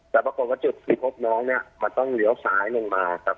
แต่ปรากฏว่าจุดที่พบน้องเนี่ยมันต้องเลี้ยวซ้ายลงมาครับ